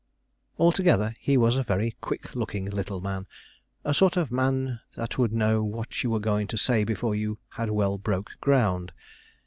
Altogether, he was a very quick looking little man a sort of man that would know what you were going to say before you had well broke ground.